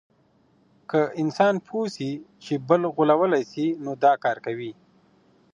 که انسان پوه سي چي بل غولولای سي نو دا کار کوي.